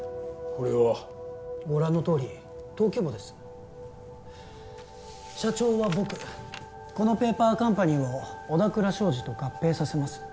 これはご覧のとおり登記簿です社長は僕このペーパーカンパニーを小田倉商事と合併させます